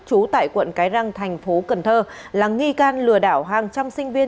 trú tại quận cái răng thành phố cần thơ là nghi can lừa đảo hàng trăm sinh viên